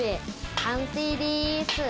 完成です。